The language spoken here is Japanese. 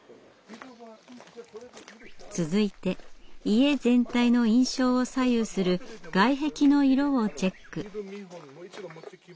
続いて家全体の印象を左右する外壁の色をチェック。